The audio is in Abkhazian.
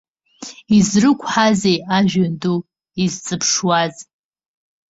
Изрықәҳазеи жәҩан ду, изҵаԥшуаз?!